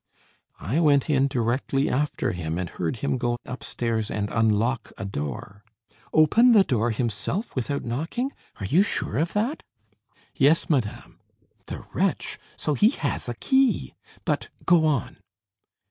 "I went in directly after him, and heard him go up stairs and unlock a door." "Open the door himself, without knocking! Are you sure of that?" "Yes, madame." "The wretch! So he has a key! But, go on."